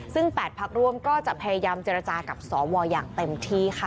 ซึ่ง๘พักร่วมก็จะพยายามเจรจากับสวอย่างเต็มที่ค่ะ